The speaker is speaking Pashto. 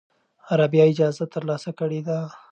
رابعه اجازه ترلاسه کړې ده.